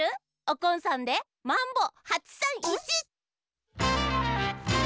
おこんさんで「マンボ８３１」！